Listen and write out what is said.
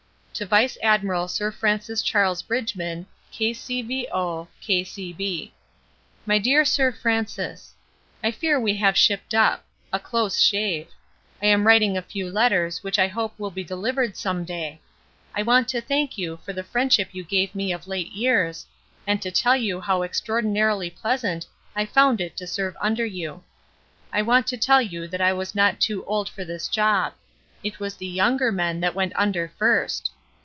TO VICE ADMIRAL SIR FRANCIS CHARLES BRIDGEMAN, K.C.V.O., K.C.B. MY DEAR SIR FRANCIS, I fear we have shipped up; a close shave; I am writing a few letters which I hope will be delivered some day. I want to thank you for the friendship you gave me of late years, and to tell you how extraordinarily pleasant I found it to serve under you. I want to tell you that I was not too old for this job. It was the younger men that went under first...